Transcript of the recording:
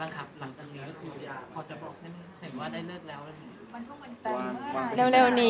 เห็นว่าได้เลิกแล้วหรือเปล่า